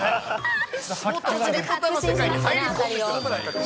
もっとハリポタの世界に入り込んで。